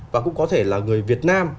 và cũng có thể là người việt nam